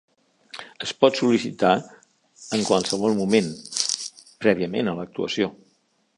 Es pot sol·licitar en qualsevol moment, prèviament a l'actuació.